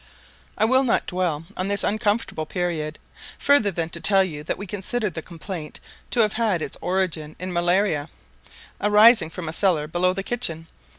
I will not dwell on this uncomfortable period, further than to tell you that we considered the complaint to have had its origin in a malaria, arising from a cellar below the kitchen.